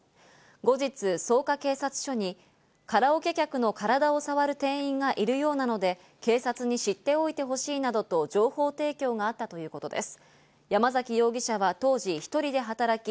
後日、草加警察署にカラオケ客の体をさわる店員がいるようなので、警察に知っておいてほしいなどと情報提供があったということです。